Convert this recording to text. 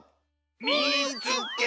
「みいつけた！」。